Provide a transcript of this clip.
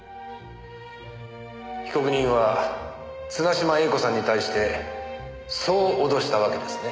被告人は綱嶋瑛子さんに対してそう脅したわけですね？